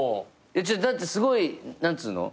だってすごい何つう